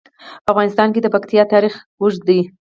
په افغانستان کې د پکتیکا تاریخ اوږد دی.